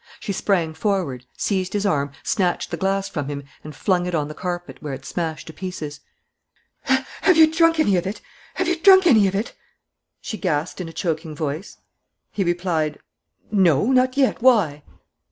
She sprang forward, seized his arm, snatched the glass from him and flung it on the carpet, where it smashed to pieces. "Have you drunk any of it? Have you drunk any of it?" she gasped, in a choking voice. He replied: "No, not yet. Why?"